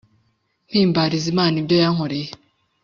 mpimbariza imana ibyo yankoreye